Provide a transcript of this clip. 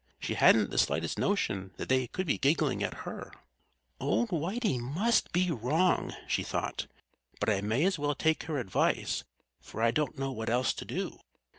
She hadn't the slightest notion that they could be giggling at her. "Old Whitey must be wrong," she thought. "But I may as well take her advice, for I don't know what else to do."